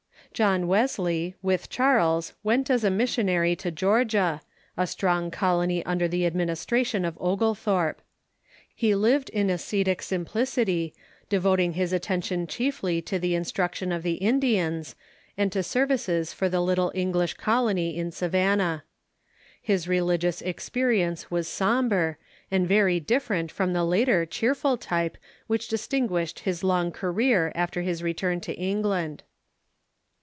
John Wesley, with Charles, went as a missionary to Georgia, a strong colony un der the administration of Oglethorpe. He lived in ascetic sim plicity, devoting his attention chiefly to the instruction of the Indians, and to services for the little English colony in Savan nah. His religious experience was sombre, and very different from the later cheerful type which distinguished his long ca reer after his return to England.